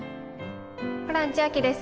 ホラン千秋です